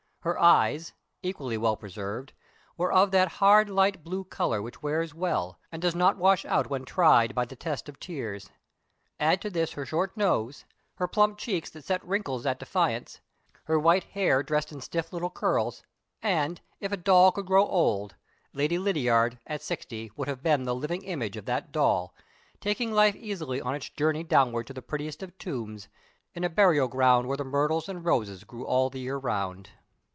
Her eyes (equally well preserved) were of that hard light blue color which wears well, and does not wash out when tried by the test of tears. Add to this her short nose, her plump cheeks that set wrinkles at defiance, her white hair dressed in stiff little curls; and, if a doll could grow old, Lady Lydiard, at sixty, would have been the living image of that doll, taking life easily on its journey downwards to the prettiest of tombs, in a burial ground where the myrtles and roses grew all the year round.